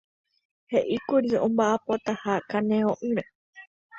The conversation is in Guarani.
He'íkuri omba'apótaha kane'õ'ỹre.